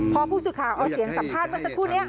พอผู้สื่อข่าวเอาเสียงสัมภาษณ์เมื่อสักครู่นี้